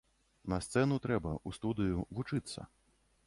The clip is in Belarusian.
На сцэну трэба, у студыю, вучыцца.